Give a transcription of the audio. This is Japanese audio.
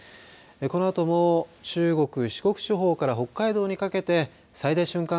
このあとも中国、四国地方から北海道にかけて最大瞬間